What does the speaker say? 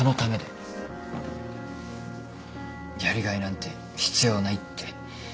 やりがいなんて必要ないって。